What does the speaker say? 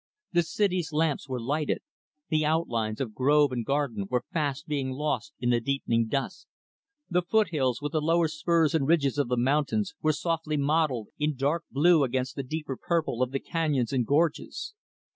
The city's lamps were lighted. The outlines of grove and garden were fast being lost in the deepening dusk. The foothills, with the lower spurs and ridges of the mountains, were softly modeled in dark blue against the deeper purple of the canyons and gorges.